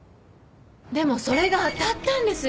でもそれが当たったんです！